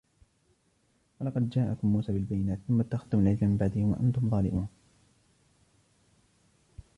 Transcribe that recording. ولقد جاءكم موسى بالبينات ثم اتخذتم العجل من بعده وأنتم ظالمون